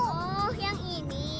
oh yang ini